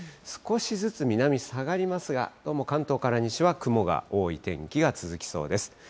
少しずつ南に下がりますが、どうも関東から西は雲が多い天気が続きそうです。